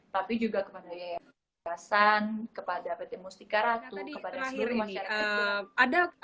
tapi juga kepada yayasan kepada pt mustika ratu kepada seluruh masyarakat